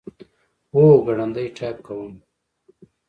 هو، ګړندی ټایپ کوم